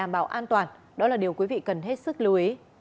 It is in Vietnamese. bảo an toàn đó là điều quý vị cần hết sức lưu ý